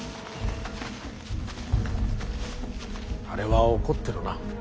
あれは怒ってるな。